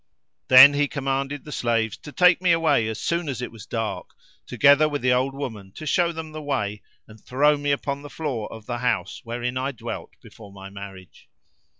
Then he commanded the slaves to take me away as soon as it was dark, together with the old woman to show them the way and throw me upon the floor of the house wherein I dwelt before my marriage.